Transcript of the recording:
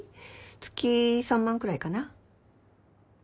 月３万くらいかな。